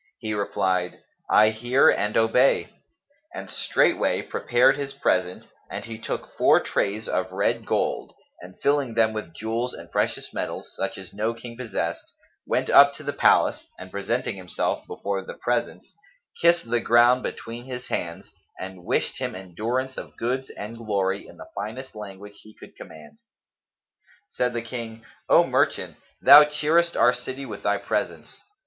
He replied, "I hear and obey," and straightway prepared his present and he took four trays of red gold and, filling them with jewels and precious metals, such as no King possessed, went up to the palace and presenting himself before the presence, kissed the ground between his hands and wished him endurance of goods and glory in the finest language he could command. Said the King, "O merchant, thou cheerest our city with thy presence!"